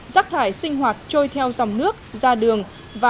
rác thải sinh hoạt trôi theo dòng nước ra đường